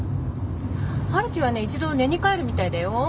陽樹はね一度寝に帰るみたいだよ。